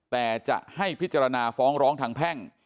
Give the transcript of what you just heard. แต่จะให้พิจารณาฟ้องร้องทางแพ่ง